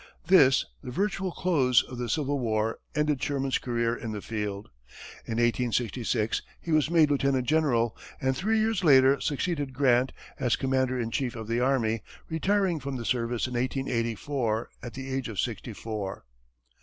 This, the virtual close of the Civil War, ended Sherman's career in the field. In 1866, he was made lieutenant general, and three years later succeeded Grant as commander in chief of the army, retiring from the service in 1884, at the age of sixty four.